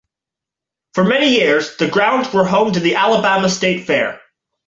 For many years, the grounds were home to the Alabama State Fair.